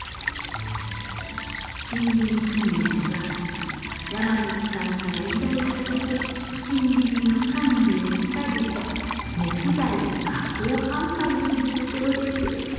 森林組合は山主さんから依頼されて森林の管理をしたり木材を加工販売する所です。